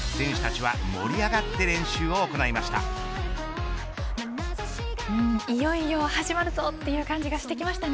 長友の言葉どおり選手たちは盛り上がって練習を行いました。